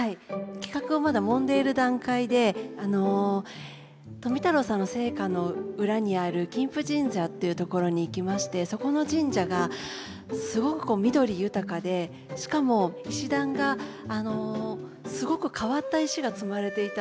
企画をまだもんでいる段階であの富太郎さんの生家の裏にある金峰神社というところに行きましてそこの神社がすごく緑豊かでしかも石段がすごく変わった石が積まれていたんです。